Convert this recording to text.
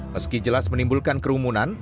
meski jelas menimbulkan kerumunan